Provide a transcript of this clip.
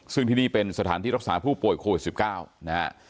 ซึ่งที่นี่เป็นสถานที่รักษาผู้ป่วยโควิด๑๙นะฮะ